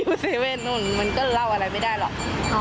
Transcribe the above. เซเว่นนู่นมันก็เล่าอะไรไม่ได้หรอก